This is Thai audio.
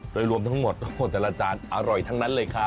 โดยรวมทั้งหมดแต่ละจานอร่อยทั้งนั้นเลยค่ะ